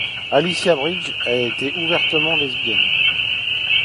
Alicia Bridges est ouvertement lesbienne.